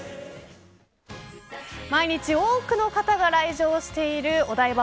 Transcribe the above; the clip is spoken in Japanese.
毎日多くの方が来場しているお台場